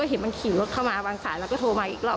เห็นมันขี่รถเข้ามาวางสายแล้วก็โทรมาอีกรอบ